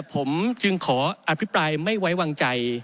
ผมจึงขออภิปรายไม่ไว้วางใจ